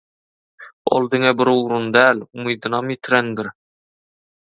Ol diňe bir ugruny däl, umydynam ýitirendir.